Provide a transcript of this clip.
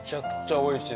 おいしい。